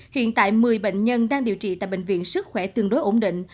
hiện tại một mươi bệnh nhân đang điều trị tại bệnh viện sức khỏe tương đối ổn định